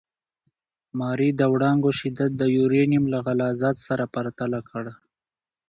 ماري د وړانګو شدت د یورانیم له غلظت سره پرتله کړ.